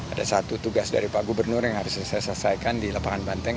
ada satu tugas dari pak gubernur yang harus saya selesaikan di lapangan banteng